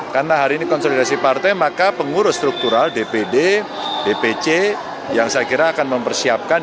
karena hari ini konsolidasi partai maka pengurus struktural dpd dpc yang saya kira akan mempersiapkan